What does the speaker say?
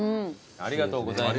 ありがとうございます。